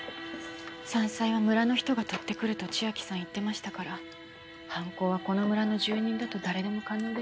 山菜は村の人が採ってくると千秋さん言ってましたから犯行はこの村の住人だと誰でも可能ですね。